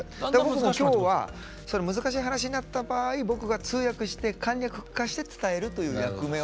今日は難しい話になった場合僕が通訳して簡略化して伝えるという役目を。